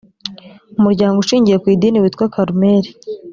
umuryango ushingiye ku idini witwa carmel